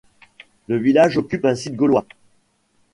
Le village occupe un site gaulois.